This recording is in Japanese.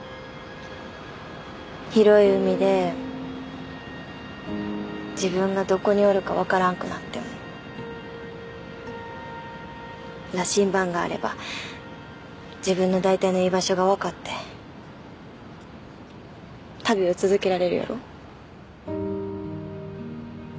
広い海で自分がどこにおるかわからんくなっても羅針盤があれば自分の大体の居場所がわかって旅を続けられるやろ？